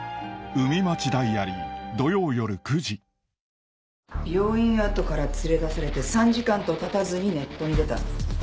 キャンペーン中病院跡から連れ出されて３時間とたたずにネットに出た。